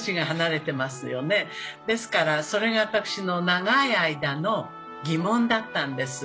ですからそれが私の長い間の疑問だったんです。